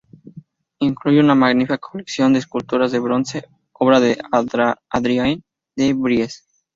Incluye una magnífica colección de esculturas de bronce, obra de Adriaen de Vries.